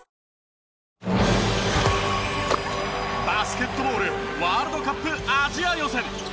バスケットボールワールドカップアジア予選。